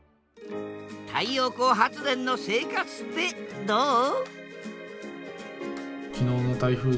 太陽光発電の生活ってどう？